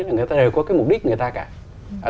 người ta đều có cái mục đích người ta cả